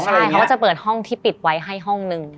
ใช่เขาก็จะเปิดห้องที่ปิดไว้ให้ห้องหนึ่ง